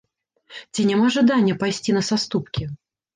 Ці няма жадання пайсці на саступкі?